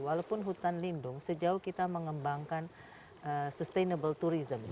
walaupun hutan lindung sejauh kita mengembangkan sustainable tourism